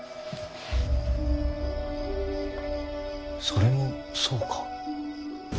それもそうか。